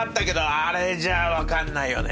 あれじゃ分かんないけど。